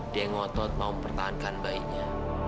dia ngotot mau pertahankan bayinya